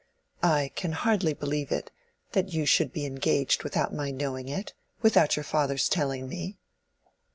"I can hardly believe it—that you should be engaged without my knowing it—without your father's telling me."